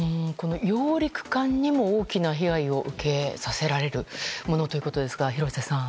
揚陸艦にも大きな被害を受けさせられるものということですが廣瀬さん。